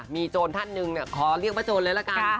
มีโจรท่านหนึ่งขอเรียกพระโจรเลยละกัน